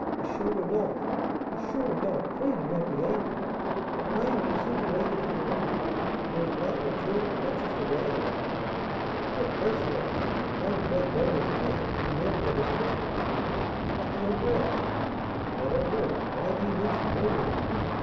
Rodolph! M. Rodolph! pray do not be angry, but why have you sent away the carriage? Will it not return to fetch us away?" "Of course not; I have quite done with the man, and therefore dismissed him." "But the ogress!" "What of her? Why do you mention her name?"